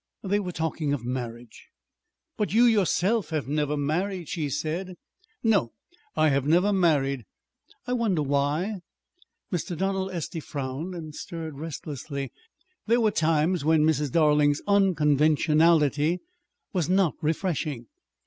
They were talking of marriage. "But you yourself have never married," she said. "No, I have never married." "I wonder why." Mr. Donald Estey frowned and stirred restlessly there were times when Mrs. Darling's unconventionality was not "refreshing."